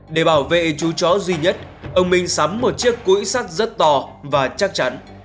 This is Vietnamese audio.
để bảo vệ chú chó duy nhất ông mình sắm một chiếc củi sắt rất to và chắc chắn